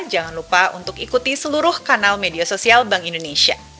jangan lupa untuk ikuti seluruh kanal media sosial bank indonesia